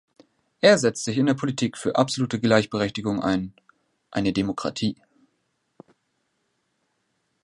Er setzt sich in der Politik für absolute Gleichberechtigung ein - eine Demokratie.